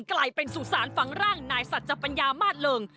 กลายเป็นสุสานฝังร่างนายสัจปัญญามาสเริง